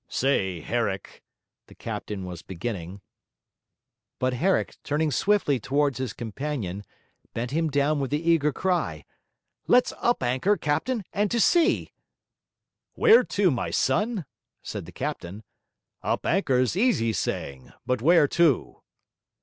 'Say, Herrick...'the captain was beginning. But Herrick, turning swiftly towards his companion, bent him down with the eager cry: 'Let's up anchor, captain, and to sea!' 'Where to, my son?' said the captain. 'Up anchor's easy saying. But where to?'